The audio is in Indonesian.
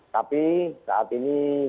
tapi saat ini